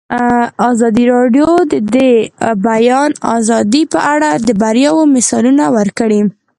ازادي راډیو د د بیان آزادي په اړه د بریاوو مثالونه ورکړي.